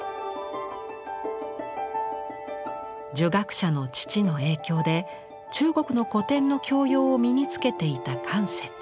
儒学者の父の影響で中国の古典の教養を身につけていた関雪。